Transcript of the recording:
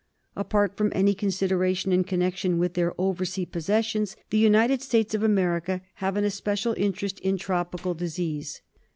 Apart from any consideration in connection with their over sea possessions, the United States of America have an especial interest in tropical disease.